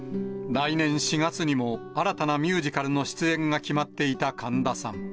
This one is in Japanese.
来年４月にも新たなミュージカルの出演が決まっていた神田さん。